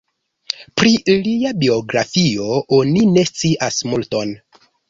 Pri lia biografio oni ne scias multon.